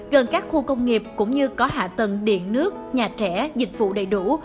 gần các khu công nghiệp cũng như có hạ tầng điện nước nhà trẻ dịch vụ đầy đủ